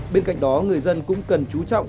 bên cạnh đó người dân cũng cần chú trọng